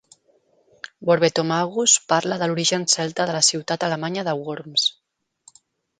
Borbetomagus parla de l'origen celta de la ciutat alemanya de Worms.